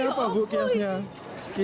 api terbakar api terbakar